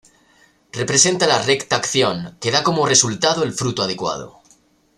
Representa la Recta Acción, que da como resultado el fruto adecuado.